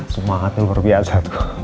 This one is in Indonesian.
semangatnya luar biasa